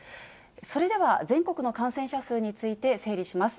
それでは、全国の感染者数について整理します。